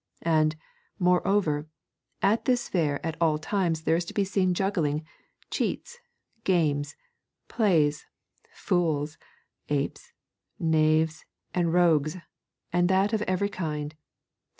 And, moreover, at this fair at all times there is to be seen juggling, cheats, games, plays, fools, apes, knaves, and rogues, and that of every kind.'